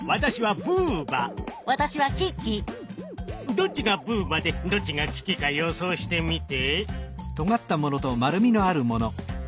どっちがブーバでどっちがキキか予想してみて。